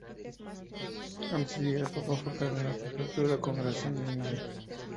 Antes de llegar a papa fue cardenal-prefecto de la Congregación del Índice.